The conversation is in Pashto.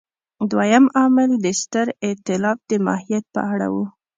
دویم عامل د ستر اېتلاف د ماهیت په اړه و.